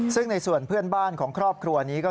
ซึ่งส่วนเพื่อนของครอบครัวนี่